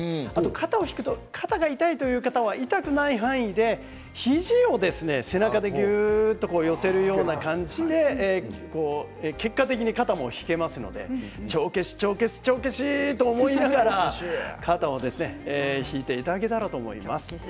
肩を引くと肩が痛いという方は痛くない範囲で肘を背中でぎゅっと寄せるような感じで結果的に肩も引けますので帳消し帳消し帳消しと思いながら肩を引いていただけたらと思います。